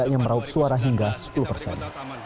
pemilu yang merauk suara hingga sepuluh persen